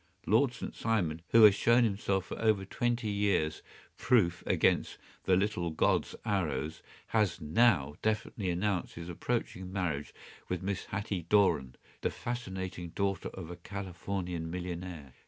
Lord St. Simon, who has shown himself for over twenty years proof against the little god’s arrows, has now definitely announced his approaching marriage with Miss Hatty Doran, the fascinating daughter of a California millionaire.